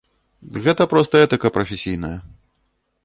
Гэта проста этыка прафесійная.